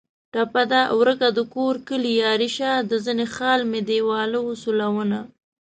ټپه ده: ورکه دکور کلي یاري شه د زنې خال مې دېواله و سولونه